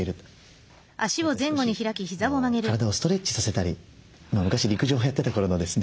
こうやって少し体をストレッチさせたり昔陸上をやってた頃のですね